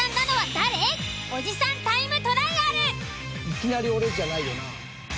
［いきなり俺じゃないよな？］